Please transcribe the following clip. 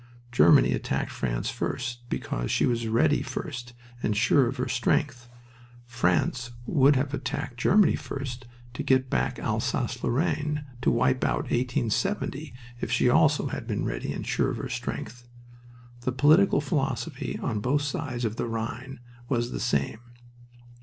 Germany attacked France first because she was ready first and sure of her strength. France would have attacked Germany first to get back Alsace Lorraine, to wipe out 1870, if she also had been ready and sure of her strength. The political philosophy on both sides of the Rhine was the same.